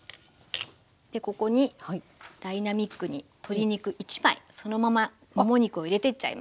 でここにダイナミックに鶏肉１枚そのままもも肉を入れていっちゃいます。